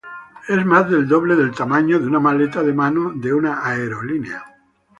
Es más del doble del tamaño de una maleta de mano de una aerolínea.